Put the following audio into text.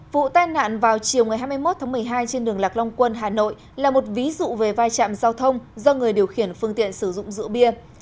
vụ tai nạn vào chiều ngày hai mươi một tháng một mươi hai trên đường lạc long quân hà nội là một ví dụ về vai trạm giao thông do người điều khiển phương tiện sử dụng rượu bia